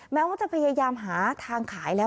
แม้ว่าจะพยายามหาทางขายแล้ว